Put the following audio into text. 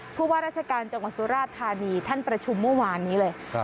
ผู้ว่าราชการจังหวัดสุราธานีท่านประชุมเมื่อวานนี้เลย